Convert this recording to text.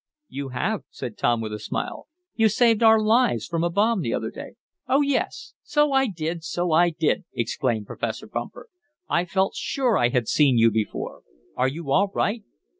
"You have," said Tom, with a smile. "You saved our lives from a bomb the other day." "Oh, yes! So I did! So I did!" exclaimed Professor Bumper. "I felt sure I had seen you before. Are you all right?"